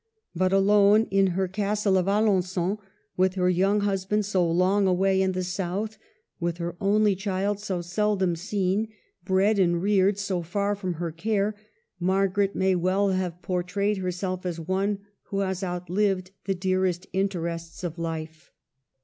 But, alone in her Castle of Alengon, with her young husband so long away in the South, with her only child so seldom seen, bred and reared so far from her care, Margaret may well have portrayed herself as one who has outlived the dearest interests of hfe.